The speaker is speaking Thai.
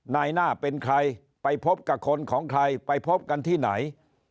นายหน้าเป็นใครไปพบกับคนของใครไปพบกันที่ไหน